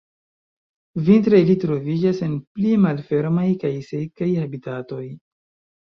Vintre ili troviĝas en pli malfermaj kaj sekaj habitatoj.